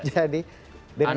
jadi dari konsul faktor sekarang